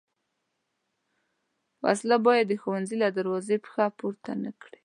وسله باید د ښوونځي له دروازې پښه پورته نه کړي